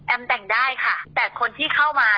แต่งได้ค่ะแต่คนที่เข้ามา